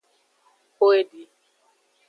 Xo edi.